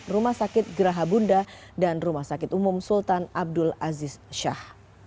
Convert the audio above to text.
rumah sakit geraha bunda dan rumah sakit umum sultan abdul aziz shah